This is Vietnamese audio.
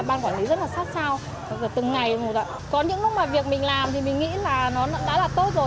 ban quản lý rất là sát sao từng ngày có những lúc mà việc mình làm thì mình nghĩ là nó cũng đã là tốt rồi